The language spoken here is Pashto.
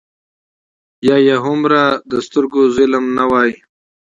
یا یې هومره د سترګو ظلم نه وای.